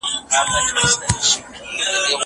دپیاوړي اومنلي شاعري اغلي پروین ملال له پاڼي